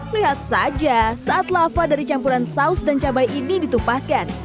lihat saja saat lava dari campuran saus dan cabai ini ditumpahkan